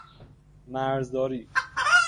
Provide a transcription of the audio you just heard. مرزداری